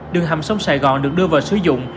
đường hầm sông sài gòn được đưa vào sử dụng